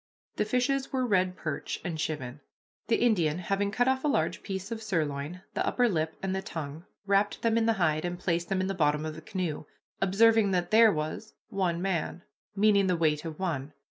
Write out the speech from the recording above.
The fishes were red perch and chivin. The Indian, having cut off a large piece of sirloin, the upper lip, and the tongue, wrapped them in the hide, and placed them in the bottom of the canoe, observing that there was "one man," meaning the weight of one.